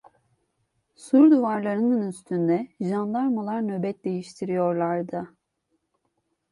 Sur duvarlarının üstünde jandarmalar nöbet değiştiriyorlardı.